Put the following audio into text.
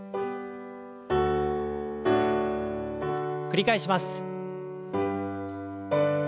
繰り返します。